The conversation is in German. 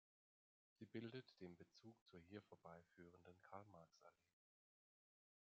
Sie bildet den Bezug zur hier vorbeiführenden Karl-Marx-Allee.